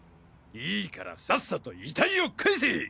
いいからさっさと遺体を返せ！